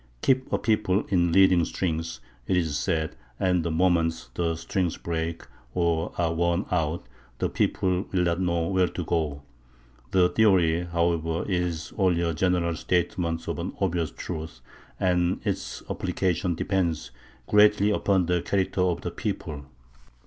Keep a people in leading strings, it is said, and the moment the strings break, or are worn out, the people will not know where to go. The theory, however, is only a general statement of an obvious truth, and its application depends greatly upon the character of the people.